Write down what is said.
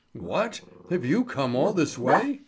"What, have you come all this way?"